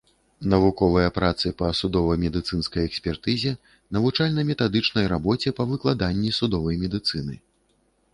Навуковыя працы па судова-медыцынскай экспертызе, навучальна-метадычнай рабоце па выкладанні судовай медыцыны.